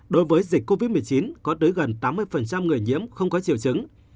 đối với dịch covid một mươi chín có tới gần tám mươi người nhiễm không có triều chứng